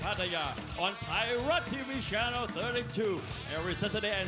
สวัสดีครับขอต้อนรับคุณผู้ชมนุกท่านนะครับเข้าสู่การรักษาสดีครับ